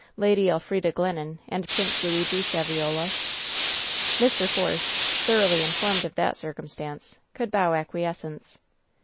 Lady Elf rida tjrlennbn and Prince XiSgf^av Mr. Force, thoroughly informed of that circumstance, could bow acquiescence.